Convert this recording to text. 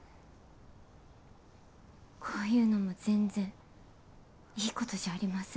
こういうのも全然いいことじゃありません。